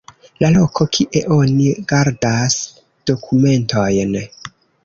Loko kie oni gardas dokumentojn.